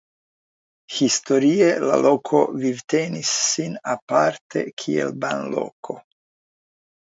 Historie la loko vivtenis sin aparte kiel banloko.